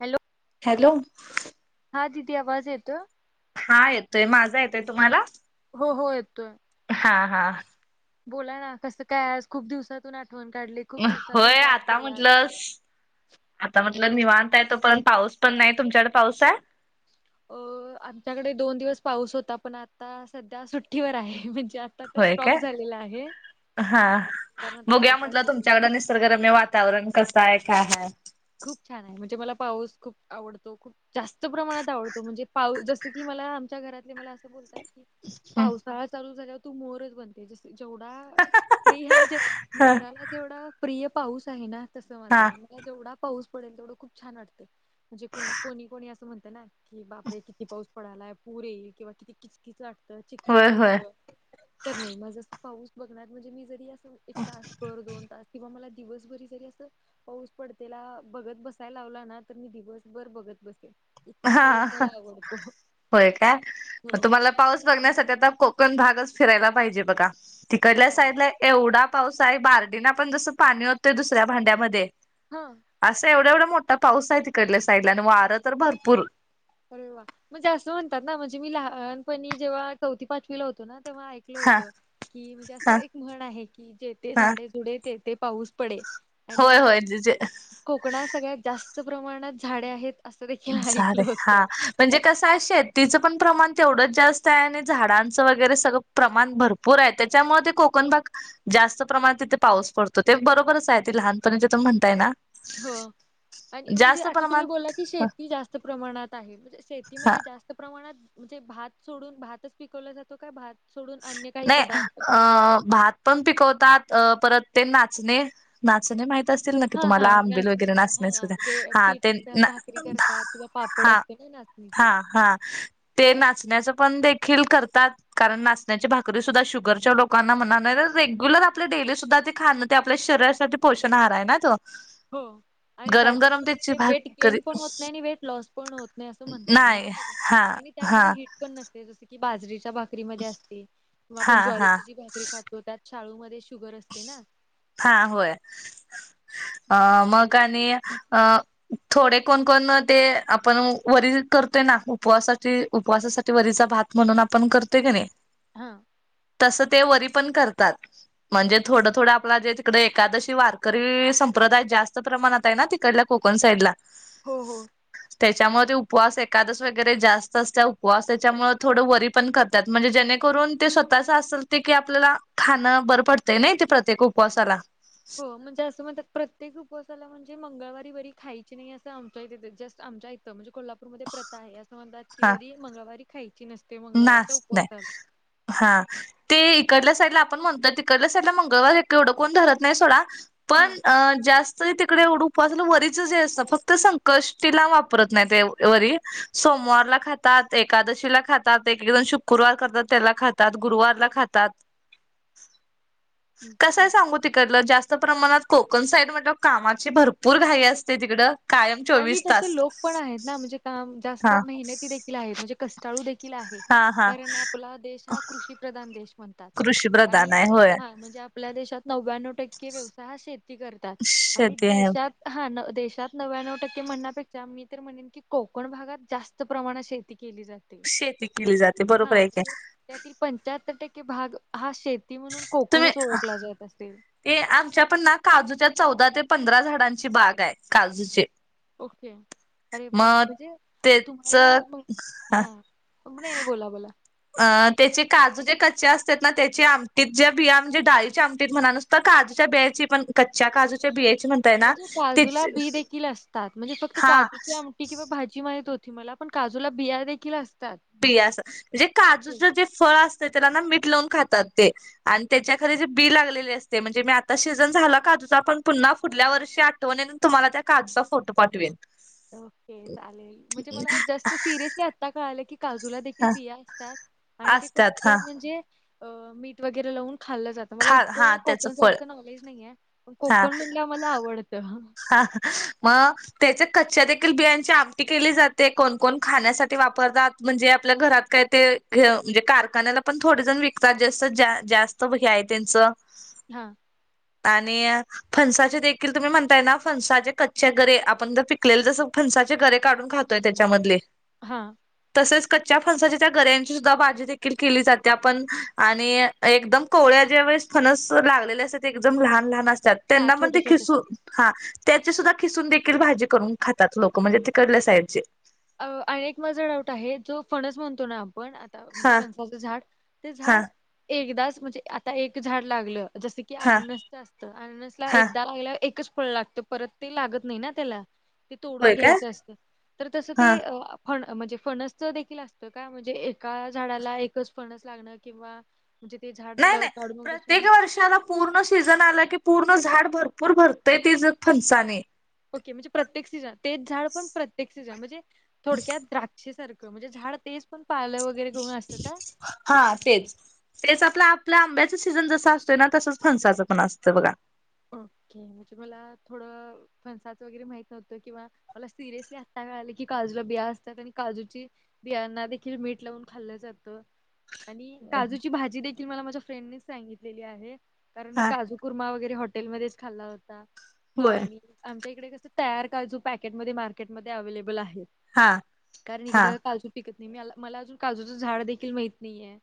Hello. Hello. हा दिदी आवाज येतोय. हा येतोय माझा येतोय तुम्हाला? हो हो येतोय. हा हा. बोला ना कसं काय आज खूप आठवण काढली. खूप दिवसातून होय कॉल आता केला म्हटलंस आता म्हटलं निवांनता य तो पर्यंत पाऊस पण नाही तुमच्याकडे पाऊस आहे? अ आमच्याकडे दोन दिवस पाऊस होता पण आता सध्या सुट्टीवर आहे म्हणजे तर होय स्टॉप काय झालेला आहे ह कारण आता बघूया म्हटल पावसाचे दिवस तुमच्या कड निसर्गगरम्य वातावरण कस आहे काय हाय? खूप छान आहे म्हणजे मला पाऊस खूप आवडतो खूप जास्त प्रमाणात आवडतो म्हणजे पाऊ जसं की मला आमच्या घरातले मला असं बोलतात पावसाळा चालू झाल्यावर तू मोरच बनते जस जेवढा प्रिय ह म्हणजे ह मोराला तेवढा प्रिय पाऊस आहे ना तसं माझं हा आहे मला जेवढा पाऊस पडेल तेवढं खूप छान वाटते. म्हणजे को कोणी कोणी असं म्हणत ना कि बापरे किती पाऊस पडालाय, पूर येईल किंवा किती किचकीच वाटतं, होय चिक्कल होय होतं तर नाही. माझ असं पाऊस बघणार, म्हणजे मी जरी असं एक तास भर, दोन तास किंवा मला दिवसभरी जरी अस पाऊस पडत तेला बघत बसायला लावला ना, तर मी दिवसभर बघत बसेल. इतका हा पाऊस मला आवडतो होय काय? म हो. तुम्हाला पाऊस बघण्यासाठी आता, कोकण भागच फिरायला पाहिजे. बघा अरे तिकडल्या वा! साईडला एवढा पाऊस आहे बार्डीना पण, जसं पाणी ओततोय दुसऱ्या भांड्यामध्ये. हा. असं एवढा एवढा मोठा पाऊस आहे तिकडल्या साईडला, आणि वारं तर भरपूर. अरे वा. म्हणजे असं म्हणतात ना म्हणजे मी लहानपणी जेव्हा चौथी पाचवीला होतो ना तेव्हा ऐक कर हा होत की, म्हणजे असं हा एक म्हण आहे की जेथे हा झाडे झुडे तेथे पाऊस पडे. होय होय तिजे. कोंकणात सगळ्यांत जास्त प्रमाणांत झाडें आहेत, असं देखील झाडे ऐकलं होतं. हा म्हणजे कसं आहे, शेतीचं पण प्रमाण तेवढंच जास्त आहे आणि झाडांचं वगैरे सगळं प्रमाण भरपूर आहे. त्याच्यामुळे ते कोंकण भाग जास्त प्रमाणांत तिथे पाऊस पडतो. ते बरोबरच आहे, ते लहानपणी जे तुम्ही म्हणताय ना. हो, आणि म्हणजे जास्त आता तुम्ही प्रमाणात बोला की शेत ती जास्त प्रमाणात आहे. म्हणजे हा शेतीमध्ये जास्त प्रमाणात म्हणजे भात सोडून, भातच पिकवला जातो का भात? सोडून अन्य काही नाही, पदार्थ अ म्हणजे भात. पण पिकवतात. परत ते नाचणे. नाचणे माहित असतील ना की हा तुम्हाला? हा आंबिल वगैरे नाचणीच हा नाचणेच हा त्या ते हा पीठ ते असतं ना भाकरी करतात किंवा पापड हा. असते ना नाचणीचे हा हा ते नाचण्याच पण देखील करतात. कारण नाच ण्या भाकरी सुद्धा शुगरच्या लोकांना म्हणा, नाहीतर रेग्युलर आपले डेली सुद्धा ते खाणं ते आपल्या शरीरासाठी पोषण आहार आहे ना तो. हो. आणि गरम गरम त्याच्यामध्ये त्याची ते वेट भाकरी गेन पण होत नाही आणि वेट लॉस पण होत नाही असं म्हणतात म्हणजे नाही हा सगळ्यांनी त्यामध्ये हा हिट पण नसते. जस की बाजरीच्या भाकरीमध्ये असते किंवा हा आपण हा ज्वारीची जी भाकरी खात तो. त्यात शाळूमध्ये शुगर असते ना हा होय. अ मग आणि अ थोडे कोण कोण ते आपण वरी करतोय ना, उपवासाची उपवासासाठी वरीचा भात म्हणून आपण करतोय क नाय हा. तसं ते वरी पण करतात. म्हणजे थोडं थोडं, आपला जे तिकडे एकादशी वारकरी संप्रदाय जास्त प्रमाणात आय ना तिकडल्या कोकण साईडला हो हो. त्याच्यामुळ ते, उपवास एकादस वगैरे जास्त असता उपवास त्याच्यामुळ थोडं वरी पण करतात. म्हणजे जेणेकरून ते स्वतः च असल ते की, आपल्याला खाणं बर पड ते नाय, ते प्रत्येक उपवासाला हो म्हणजे असं म्हणतात, प्रत्येक उपवासाला म्हणजे मंगळवारी वरी खायची नाही. असं आमच्या इथं जस्ट आमच्या त म्हणजे कोल्हापूरमध्ये प्रथा आहे. असं म्हणतात की, हा वरी मंगळवारी खायची नसते. मंगळवारचा नाच नाही उपवासाला. हा. ते इकडंल्या साईडला आपण म्हणतोय. तिकडंल्या साईडला मंगळवार हे एवढं कोण धरत नाय सोडा पण हा. अ जास्त तरी तिकडे एवढं उपवासाला वरीचं जे असतं. फक्त संकष्टीला वापरत नाय ते वरी सोमवारला खातात, एकादशीला खात तात. एक एक जण शुक्रवार करतात त्याला खातात. गुरुवारला खातात. हं. कसय सांगू तिकडलं जास्त प्रमाणात कोकण साईड म्हटल्यावर कामाची भरपूर घाई असते तिकडं कायम आणि चोवीस तसे तास लोक पण आहेत ना, म्हणजे काम जास्त हा मेहनतीने आहेत. म्हणजे कष्टाळू देखील आहे. हा हा कारण आपला देश हा कृषी प्रधान देश म्हणतात. कृषी आणि प्रधान आहे होय हा म्हणजे आपल्या देशात नव्यानवं टक्के व्यवसाय हा शेती करातात. आणि शेती आहे देशात हा देशात नव्याणावं टक्के म्हणण्यापेक्षा मी तर म्हणेन की, कोकण भागात जास्त प्रमाणात शेती केली जात ते. शेती केली जाते हा बरोबर आहे म्हणजे काय त्यातील पंचाहत्तर टक्के भाग हा शेती म्हणून तुम्ही कोकणच ओळखला जात असेल. ते आमच्या पण ना काजूच्या चौदा ते पंधरा झाडांची बाग आय. काजूचे ओके. अरे वा, मग म्हणजे तेच तुम्हाला म हा नाय नाय बोला बोला अ त्याचे काजू जे कच्चे असत्यात ना, त्याचे आमटीत ज्या बिया म्हणजे डाळीच्या आमटीत म्हणा नु त काजूच्या बियाची पण कच्या काजूच्या बियाची पण म्हणजे काजूला बी देखील असतात. म्हणजे फक्त हा काजूची आम टी किंवा भाजी माहीत होती मला पण काजूला बिया देखील असतात. बिया असं, म्हणजे ओके काजूच जे फळ असतय त्याला ना मीठ लावून खातात ते. आणि त्याच्या खाली जी बी लागलेले असते म्हणजे मी आता सिजन झाला काजूचा पण पुन्हा पुुढल्या वर्षी आ आठवणींनी तुम्हाला त्या काजूचा फोटो पाठवीण. ओके चालेल म्हणजे मला जस्ट सिरियसली आत्ता कळालं की, काजूला देखील हा बिया असतात. आणि ते असतात कच्च हा म्हणजे अ मीठ वगैरे लावून खाल्लं जातं मला खा हा इतकं त्याचं कोकण फळ साईडच नॉलेज नाहीये. हा पण म्हणल्यावर मला आवडतं. हा म त्याच्या कच्च्या देखील बियांची आमटी केली जाते कोणकण खाण्यासाठी वापरतात म्हणजे आपल्या घरात काय ते म्हणजे कारखान्याला पण थोडे जण विकतात ज जास्त हे आहे त्यांच, हा आणि फणसाचे देखील तुम्ही म्हण ताय ना फणसाचे कच्चे गरे आपण जर पिकलेले जस फणसाचे गरे काढून खातोय त्याच्यामधले हा तसेच कच्च्या फणसाची त्या गऱ्यांची सुद्धा भाजी देखील केली जाते आपण आणि एकदम कोवळ्या ज्या वेळेस फनस लागलेले असतात ते एकदम लहान लहान असतात हा त्यांना पण छोटे ते छोटे खिसू हा त्याची सुद्धा खिसून देखील भाजी करून खातात लोक म्हणजे तिकडल्या साईडचे. अ एक माझा डाऊट आहे जो फणस म्हणतो ना आपण आता म्हणजे हा फसाच झाड ते हा झाड एकदाच म्हणजे आता एक झाड लागलं जस की की हा अननसच असतं अननसला हा एकदा लागल्यावर एकच फळ लागत परत ते लागत नाही ना त्याला, ते तोडून होय काय घ्यायचं असतं तर तस हा फण म्हणजे फणसच देखील असतं का? म्हणजे एका झाडाला एकच फणस लागणं किंवा म्हणजे ते झाड नाही लाव नाही काढून मग तस प्रत्येक वर्षाला पूर्ण सीझन आला की पूर्ण झाड भरपूर भरतंय ती ज फणसाने. ओके म्हणजे प्रत्येक सीझन तेच झाड पण प्रत्येक सीझन म्हणजे थोडक्यात द्राक्षे सारखं म्हणजे झाड तेच पण पालं वगैरे को असं का? हा तेच. तेच आपलं आपल्या आंब्याचं सीझन जसं असतो ना तसंच फणसाचं पण असतं बघा. ओके म्हणजे मला थोडं फणसाच वगैरे माहित नव्हतं किंवा मला सिरियसली आत्ता कळाल की काजूला बिया असतात आणि काजूची बियाना देखील मीठ लावून खाल्लं जातं. आणि काजूची भाजी देखील मला माझ्या फ्रेंडनेच सांगितलेली आहे कारण मी हा काजू कुर्मा वगैरे हॉ टेलमध्येच खाल्ला होता होय आणि आमच्या इकडे कस तयार काजू पॅकेट मध्ये मार्केटमध्ये अवैलेबल आहेत. हा कारण हा इकडं काजू पिकत नाही म- मला अजून काजूचं झाड देखील माहित नाहीया.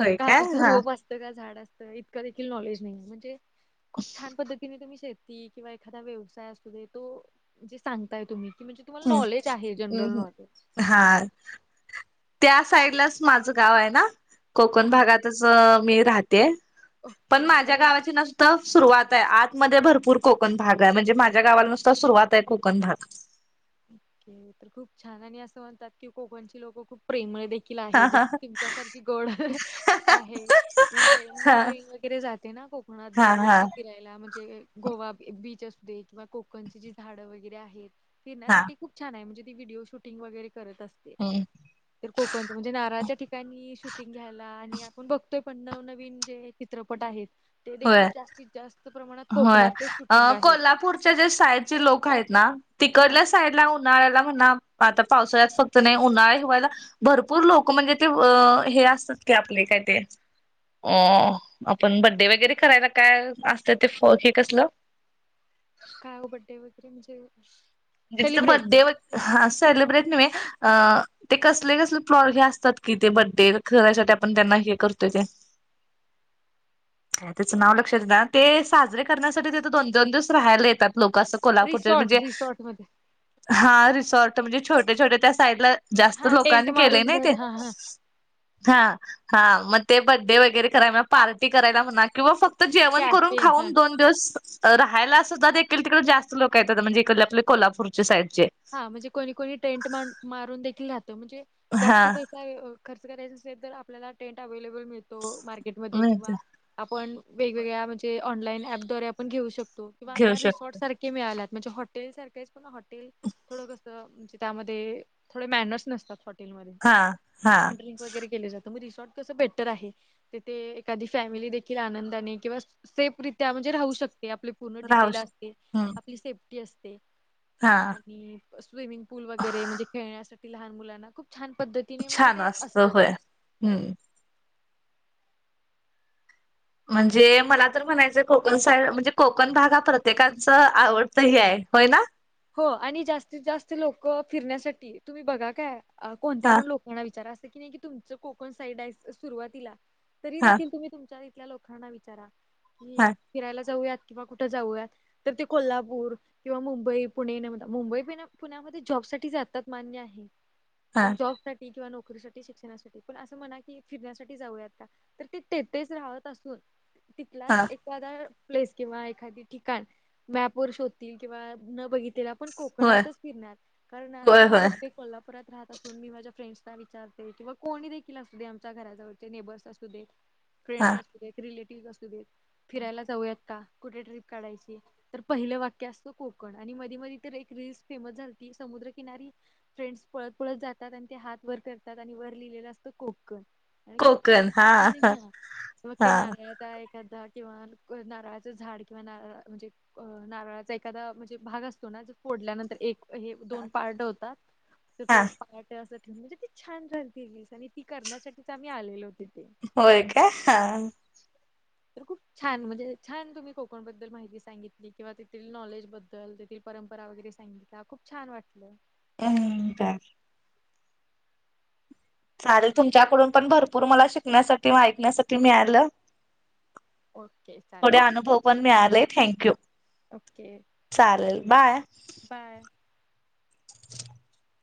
होय काय काजूचं हा रोप असतं का झाड असतं इतकं देखील नॉलेज नाही, म्हणजे खूप छान पद्धतीने तुम्ही शेती किंवा एखादा व्यवसाय असुदे तो जे सांगताय तुम्ही की म्हणजे तुम्हाला नॉलेज आहे जनरल हम्म. नॉलेज. हा त्या साईडलाच माझं गाव आहे ना कोकण हा भागातच मी राहते. पण ओके माझ्या अरे गावाची न सुरुवात आहे आतमध्ये भरपूर कोकण भाग आहे म्हणजे माझ्या गावाला नुसत सुरुवात आहे कोकण भाग. ओके तर खूप छान आणि असं म्हणतात की कोकणची लोक खूप प्रेमळ देखील आहे हा हा तुमच्यासारखी गोड आहे. म्हणजे हा माझी बहीण वगैरे जाते ना कोकणात हा हा दरवर्षी फिरायला म्हणजे गोवा बीच असू दे किंवा कोकण जी झाडं वगैरे आहेत हा फिरण्यासाठी खूप छान आहे म्हणजे ती व्हडिओ शूटिंग वगैरे करत अस हम्म ते कोकणच म्हणजे नारळाच्या ठिकाणी शूटिंग घ्यायला आणि आपण बघतोय पण नवनवीन जे चित्रपट आहेत ते होय देखील जास्तीत- जास्त प्रमाणात कोकणातलेच शूटिंग आहेत. त्यांच्या साईडची लोक आहेत ना हा तिकडल्या सा साईडला उन्हाळ्याला म्हणा आता पावसाळ्यात फक्त नाही उन्हाळा हिवाळाला भरपूर लोक म्हणजे ते हे असतात की आपले काय ते अ आपण बर्डे वगैरे करायला काय असत ते फ हे कसलं काय ओ बर्डे वगैरे म्हणजे! म्हणजे त सेलिब्रेट बर्डे सेलिब्रेट न अ ते कसले -कसले प्लॉट हे असतात कि ते बड्डे खेण्यासाठी आपण त्यांना हे करतोय ते [unintelligible] त्याचं नाव लक्षात ना ते साजरे करण्यासाठी तिथं दोन- दोन दिवस राहायला येतात लोक असं कोल्हापूरचे रिसॉर्ट म्हणजे [unintelligible] हा रिसॉर्ट म्हणजे छोट्या -छोट्या त्या साईडला जास्त हा टेंट लोकांनी केलेय मारून नाय घर ते. हा हा हा हा मग ते बड्डे वगैरे करायला पार्टी करायला म्हणा किंवा फक्त तर जेवण करून कॅफे हा खाऊन दोन दिवस राहायला सद्धा देखील तिकडे जास्त लोक येतात म्हणजे इकड आपले कोल्हापूरच्या साईडचे. हा म्हणजे कोणी -कोणी ट्रेंट मारून देखील राहतो म्हणजे हा जास्त पैसे खर्च करायचा असेल तर आपल्याला ट्रेंट अवेलेबल मिळतो मार्केटमध्ये मिळते किंवा आपण वेगवेगळ्या म्हणजे ऑनलाईन ऍपद्वारे आपण घेऊ शकतो किंवा घेऊ शकतो रिसॉर्टसारख्या मिळाला म्हणजे हॉटल सारखेच पण हॉटेल थोडं कसं म्हणजे त्यामध्ये थोडे मॅनर्स नसतात हॉटेलमध्ये हा हा ड्रिंक वगैरे केले जातं मग रिसॉर्ट कसं बेटर आहे. तिथे एखादी फॅमिली देखील आनंदाने किंवा सेफ रित्या म्हणजे राहू शकते आपली पूर्ण राहू डिटेल असते शकतो हम्म आपली सेफ्टी असते. हा. स्विमिंग पूल वगैरे म्हणजे खेळण्यासाठी लहान मुलांना खूप छान पद्धती छान असतं होय हम्म. म्हणजे मला तर म्हणायचं कोकण साईड म्हणजे कोकण भाग हा प्रत्येकच आवडतं हे आहे होय ना. हो आणि जास्तीत -जास्त लोक फिरण्यासाठी तुम्ही बघा काय कोणत्या हा पण लोक विचार अस क नाही की तुमच कोकण साईड राईस सुरुवातीला तरी हा देखल तुम्ही. तुमच्या इथल्या लोकांना विचारा की. हा फिरायला जाऊयात किंवा कुठं जाऊयात तर ते कोल्हापूर किंवा मुंबई. पुणे मुंबई प पुण्यामध्ये जॉब साठी जातात मान्य आहे हा पण जॉब सा किंवा नोकरीसाठी शिक्षणासाठी पण असं म्हणा की फिरण्यासाठी जाऊया का. तर ती तेथेच राहत असून तिथलाच हा एक. एखादा प्लेस किंवा एखादी ठिकाण मॅप वर शोधतील किंवा न बघितले पण होय कोकणातच फिरणार कारण आज तर होय मी होय बघते कोल्हापुरात राहत अस. मी माझ्या फ्रेंड्सला विचारते किंवा कोणी देखील असू दे आमच्या घराजवळचे नेबर्स असू दे. हा फ्रेंड्स असूदे रिलेटिव्हस असूदे. फिरायला जाऊयात का कुठे ट्रिप काढायची तर पहिले वाक्य असतो कोकण आणि म मधी तर एक रीलल्स फेमस झालती समुद्रकिनारी. फ्रेंड्स पळत- पळत जातात आणि ते हात वर करतात आणि वर लिहिलेलं असतं कोकण. आणि खूप कोकण छान हा पोतीने हा ते हा नाराळाच. एखाद किंवा नारळाचं झाड किंवा नारळ म्हणजे. अ नारळाचा एखादा म्हणजे भाग असत फोडल्यानंतर एक हे दोन पार्ट होतात तर तो हा एक पार्ट. असं ठेव म्हणजे ती छान रिल्स आणि ती करण्यासाठीच आम्ही आलेलो तिथे. होय काय हा. तर खूप छान म्हणजे छान तुम्ही कोकणबद्दल माहिती सांगितली किंवा तेथील नॉलेजबद्दल, तेथील परंपरा वगैरे सांगितला खूप छान वाटलं. हम्म, काय? चालेल. तुमच्याकडून पण भरपूर मला शिकण्यासाठी व ऐकण्यासाठी मिळालं. ओके थोडे चालेल अनुभव पण मिळाले, थँंक यू. ओके. चालेल, बाय. बाय. [inaudible]